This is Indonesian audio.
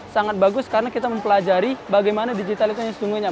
sangat bagus karena kita mempelajari bagaimana digital itu yang sesungguhnya